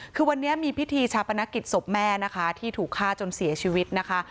คือวันนี้มีพิธีชาปนกิจศพแม่นะคะที่ถูกฆ่าจนเสียชีวิตนะคะ